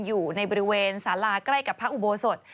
อยู่ในบริเวณสาราใกล้กับพระอุโบสถ